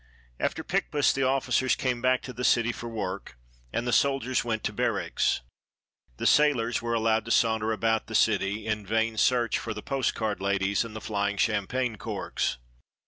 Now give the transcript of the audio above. After Picpus, the officers came back to the city for work, and the soldiers went to barracks. The sailors were allowed to saunter about the city, in vain search for the post card ladies and the flying champagne corks.